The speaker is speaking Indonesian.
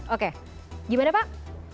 oke gimana pak